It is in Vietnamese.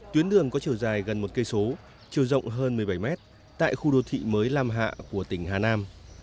tuyến đường có chiều dài gần một km chiều rộng hơn một mươi bảy mét tại khu đô thị mới lam hạ của tỉnh hà nam